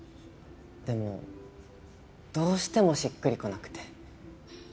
でもどうしてもしっくりこなくて。